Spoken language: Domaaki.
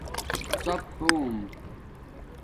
ڎام ہوم